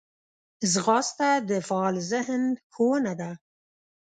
ځغاسته د فعال ذهن ښوونه ده